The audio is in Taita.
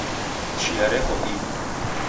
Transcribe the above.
Chia reko iw'i.